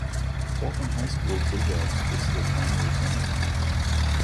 Portland High School Bulldogs is the primary tenant.